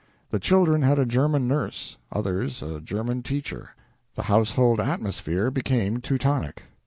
The children had a German nurse others a German teacher. The household atmosphere became Teutonic.